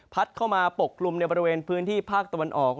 เข้ามาปกกลุ่มในบริเวณพื้นที่ภาคตะวันออก